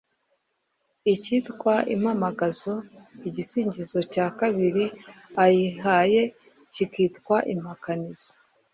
ikitwa impamagazo, igisingizo cya kabiri ayihaye kikitwa impakanizi,